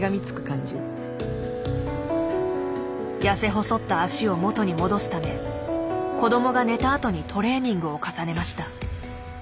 痩せ細った脚を元に戻すため子どもが寝たあとにトレーニングを重ねました。